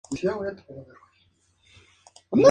Actualmente juega para el Club Racing de Balcarce.